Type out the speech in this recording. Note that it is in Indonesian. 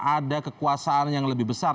ada kekuasaan yang lebih besar